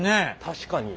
確かに。